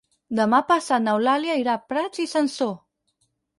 Demà passat n'Eulàlia irà a Prats i Sansor.